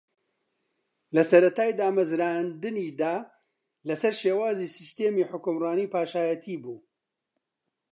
لە سەرەتای دامەزراندنییدا لەسەر شێوازی سیستمی حوکمڕانی پاشایەتی بوو